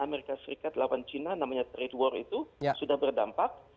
dan amerika serikat lawan china namanya trade war itu sudah berdampak